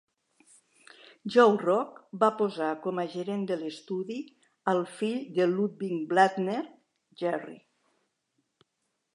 Joe Rock va posar com a gerent de l'estudi al fill de Ludwig Blattner, Gerry.